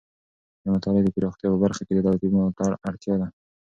د مطالعې د پراختیا په برخه کې د دولتي ملاتړ اړتیا ده.